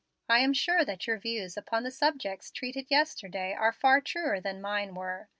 I am sure that your views upon the subjects treated yesterday are far truer than mine were.